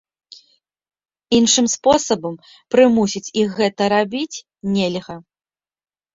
Іншым спосабам прымусіць іх гэта рабіць нельга.